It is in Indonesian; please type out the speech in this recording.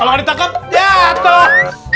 kalau nggak ditangkep jatuh